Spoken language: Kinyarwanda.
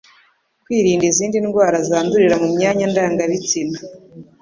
Kwirinda izindi ndwara zandurira mu myanya ndangabitsina